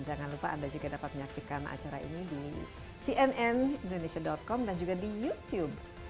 jangan lupa anda juga dapat menyaksikan acara ini di cnnindonesia com dan juga di youtube